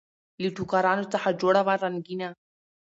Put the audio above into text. له ټوکرانو څخه جوړه وه رنګینه